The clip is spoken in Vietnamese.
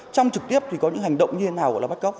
trong trực tiếp thì có những hành động như thế nào của là bắt cóc